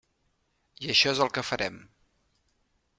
I això és el que farem.